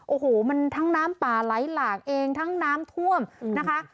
โอ้โหมันทั้งน้ำป่าไหลหลากเองทั้งน้ำท่วมนะคะ